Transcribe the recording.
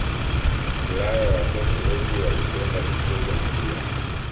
Ulaya watoto wengi walipenda kucheza mpira